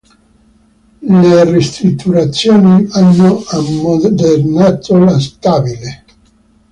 Le ristrutturazioni hanno ammodernato lo stabile.